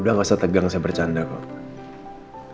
sudah nggak usah tegang saya bercanda pak